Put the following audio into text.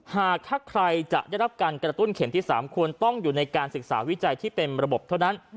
หากถ้าใครจะได้รับการกระตุ้นเข็มที่๓ควรต้องอยู่ในการศึกษาวิจัยที่เป็นระบบเท่านั้น